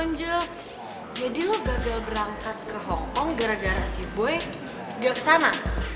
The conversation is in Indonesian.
konjol jadi lo gagal berangkat ke hongkong gara gara si boy gak kesana